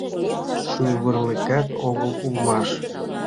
Шӱвырлыкат огыл улмаш